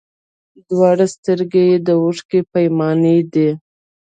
دواړي سترګي یې د اوښکو پیمانې دي